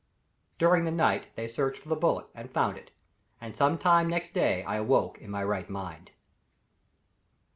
During the night they searched for the bullet, and found it and some time next day I awoke in my right mind.